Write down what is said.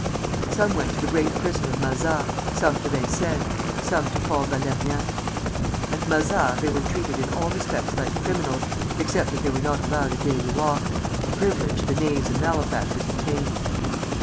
Some went to the great prison of Mazas, some to Vincennes, some to Fort Valérien. At Mazas they were treated in all respects like criminals, except that they were not allowed a daily walk, a privilege the knaves and malefactors obtained.